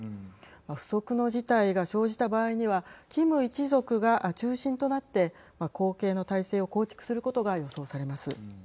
不測の事態が生じた場合にはキム一族が中心となって後継の体制を構築することが予想されます。